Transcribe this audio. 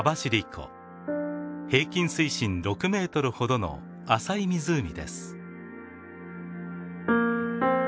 平均水深６ｍほどの浅い湖です。